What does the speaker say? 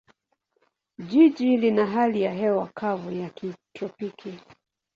Jiji lina hali ya hewa kavu ya kitropiki.